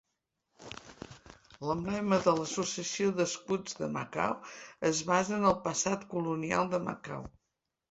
L'emblema de l'Associació de Scouts de Macau es basa en el passat colonial de Macau.